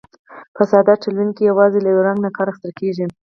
په ساده تلوین کې یوازې له یو رنګ نه کار اخیستل کیږي.